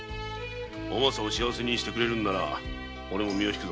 お政を幸せにしてくれるんならオレも身を引くぞ。